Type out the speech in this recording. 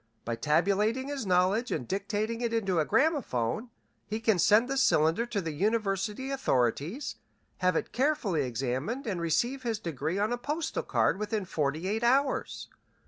By tabulating his knowledge and dictating it into a gramophone he can send the cylinder to the university authorities, have it carefully examined, and receive his degree on a postal card within forty eight hours.